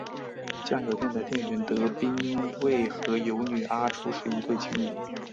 酱油店的店员德兵卫和游女阿初是一对情侣。